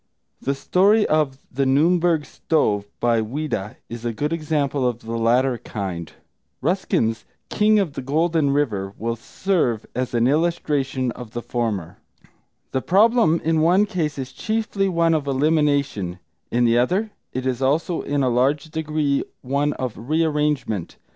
The story of The Nürnberg Stove, by Ouida, is a good example of the latter kind; Ruskin's King of the Golden River will serve as an illustration of the former. [Footnote 1: See Bimbi, by Ouida. (Chatto. 2s.)] The problem in one case is chiefly one of elimination; in the other it is also in a large degree one of rearrangement.